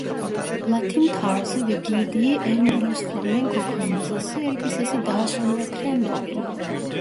Latin tarzı ve giydiği Endülüs flamenko kırmızısı elbisesi daha sonra trend oldu.